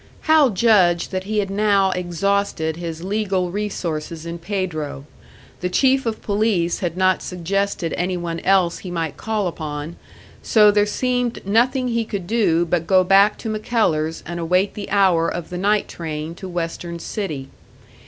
Hal judged that he had now exhausted his legal resources in Pedro; the Chief of Police had not suggested any one else he might call upon, so there seemed nothing he could do but go back to MacKellar's and await the hour of the night train to Western City.